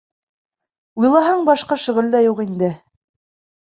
Уйлаһаң, башҡа шөғөл дә юҡ инде.